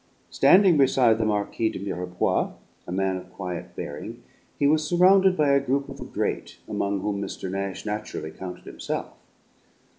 Standing beside the Marquis de Mirepoix a man of quiet bearing he was surrounded by a group of the great, among whom Mr. Nash naturally counted himself.